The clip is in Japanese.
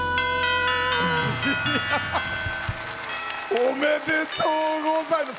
おめでとうございます。